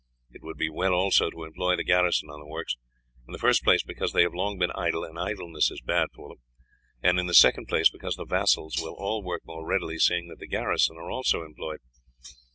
It would be well also to employ the garrison on the works in the first place, because they have long been idle, and idleness is bad for them; and in the second place because the vassals will all work more readily seeing that the garrison are also employed.